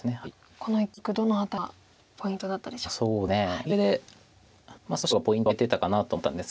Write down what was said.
この一局どの辺りがポイントだったでしょうか？